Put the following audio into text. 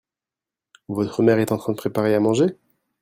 Votre mère est en train de préparer à manger ?